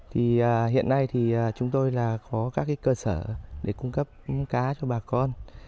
thì hiện nay thì chúng tôi là có các cơ sở để cung cấp cá cho bà con